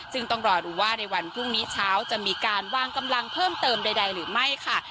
ซึ่งต้องรอดูว่าในวันพรุ่งนี้เช้าจะมีการวางกำลังเพิ่มเติมใดหรือไม่ค่ะ